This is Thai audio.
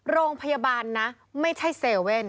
โรงพยาบาลนะไม่ใช่เซเว่น